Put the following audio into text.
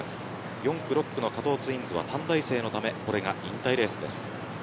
４区６区の加藤ツインズは短大生のためこれが引退レースです。